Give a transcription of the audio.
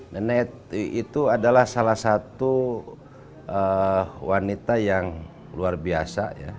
nenek itu adalah salah satu wanita yang luar biasa ya